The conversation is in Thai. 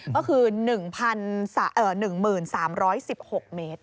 ก็คือ๑๓๑๖เมตร